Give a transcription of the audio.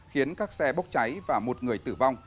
khiến các xe bốc cháy và một người tử vong